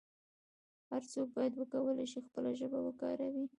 هر څوک باید وکولای شي خپله ژبه وکاروي.